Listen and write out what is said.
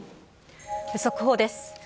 速報です。